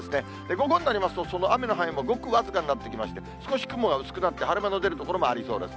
午後になりますと、その雨の範囲もごく僅かになってきまして、少し雲が薄くなって、晴れ間の出る所もありそうです。